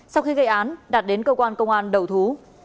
sau khi gây án đạt đến cơ quan công an đầu thú